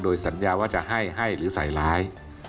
สัญญาว่าจะให้ให้หรือใส่ร้าย